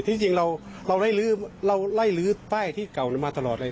จริงเราไล่เราไล่ลื้อป้ายที่เก่ามาตลอดเลย